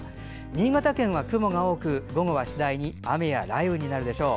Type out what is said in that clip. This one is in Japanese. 新潟県は雲が多く午後は次第に雨や雷雨になるでしょう。